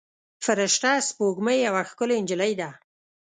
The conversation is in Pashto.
فرشته سپوږمۍ یوه ښکلې نجلۍ ده.